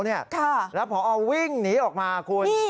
แล้วพอวิ่งหนีออกมาคุณ